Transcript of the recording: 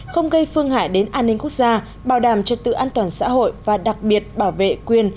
không gây phương hại đến an ninh quốc gia bảo đảm trật tự an toàn xã hội và đặc biệt bảo vệ quyền